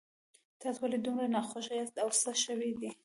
تاسو ولې دومره ناخوښه یاست او څه شوي دي